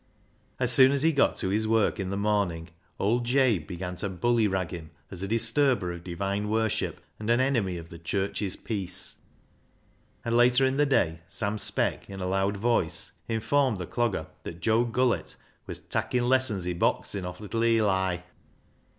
As soon as he got to his work in the morning old Jabe began to " bullyrag" him as a disturber of divine worship, and an enemy of the church's peace ; and later in the day, Sam Speck, in a loud voice, informed the Clogger that Joe Gullett v/as " takkin' lessons i' boxin' off little Eli."